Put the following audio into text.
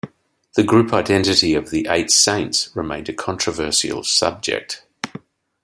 The group identity of the Eight Saints remains a controversial subject.